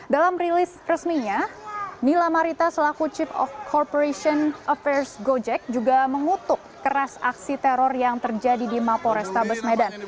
dalam rilis resminya nila marita selaku chip of corporation affairs gojek juga mengutuk keras aksi teror yang terjadi di mapo restabes medan